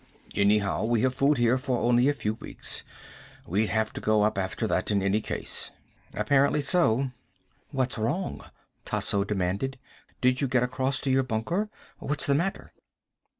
"Anyhow, we have food here for only a few weeks. We'd have to go up after that, in any case." "Apparently so." "What's wrong?" Tasso demanded. "Did you get across to your bunker? What's the matter?"